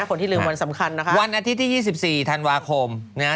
คนที่ลืมวันสำคัญนะคะวันอาทิตย์ที่๒๔ธันวาคมนะฮะ